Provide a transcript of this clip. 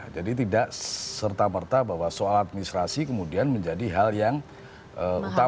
jadi tidak serta merta bahwa soal administrasi kemudian menjadi hal yang utama